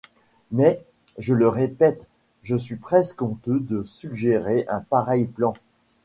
Mais, je le répète, je suis presque honteux de suggérer un pareil plan...